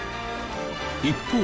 一方。